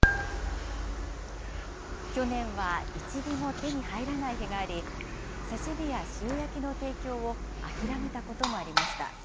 去年は１尾も手に入らない日があり、刺身や塩焼きの提供を諦めたこともありました。